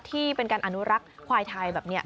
ที่เป็นการอนุรักษ์ควายไทยแบบนี้